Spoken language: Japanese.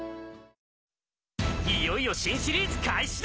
いよいよ新シリーズ開始だ！